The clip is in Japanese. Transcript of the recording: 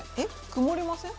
曇りません？